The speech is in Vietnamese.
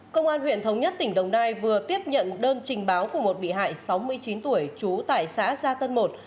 công an huyện thống nhất tỉnh đồng nai vừa tiếp nhận đơn trình báo của một bị hại sáu mươi chín tuổi trú tại xã gia tân một